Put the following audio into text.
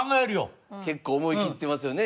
結構思い切ってますよね